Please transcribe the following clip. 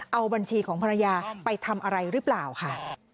เอาบัญชีของภรรยาไปทำอะไรหรือเปล่าค่ะ